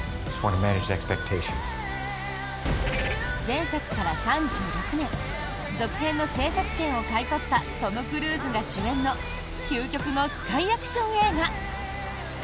前作から３６年続編の製作権を買い取ったトム・クルーズが主演の究極のスカイアクション映画。